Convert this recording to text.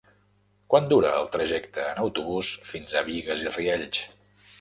Quant dura el trajecte en autobús fins a Bigues i Riells?